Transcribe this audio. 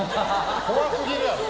怖すぎるやろ。